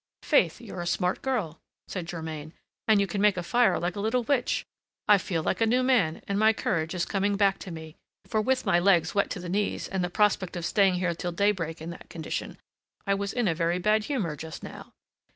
"Faith, you're a smart girl," said Germain, "and you can make a fire like a little witch. I feel like a new man, and my courage is coming back to me; for, with my legs wet to the knees, and the prospect of staying here till daybreak in that condition, I was in a very bad humor just now."